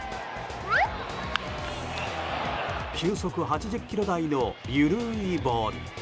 球速８０キロ台の緩いボール。